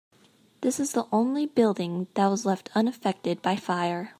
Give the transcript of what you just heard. This is the only building that was left unaffected by fire.